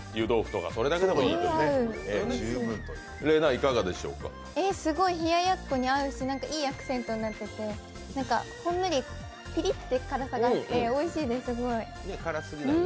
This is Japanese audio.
すごい冷ややっこに合うしいいアクセントになってほんのりピリッって辛さがあってすごいおいしいです。